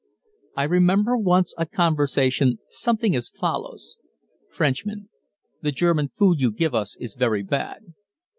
I remember once a conversation something as follows: Frenchman. "The German food you give us is very bad."